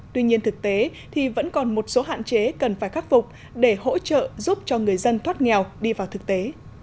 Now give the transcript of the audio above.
tuy nhiên thực tế thì vẫn còn một số hạn chế cần phải khắc phục để hỗ trợ giúp cho người dân thoát nghèo đi vào thực tế